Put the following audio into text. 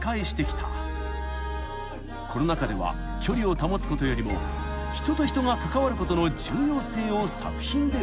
［コロナ禍では距離を保つことよりも人と人が関わることの重要性を作品で訴えた］